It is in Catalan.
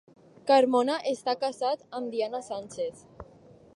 Carmona està casat amb Diana Sanchez.